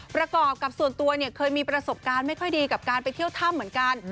ประกอบกับส่วนตัวเนี่ยเคยมีประสบการณ์ไม่ค่อยดีกับการไปเที่ยวถ้ำเหมือนกัน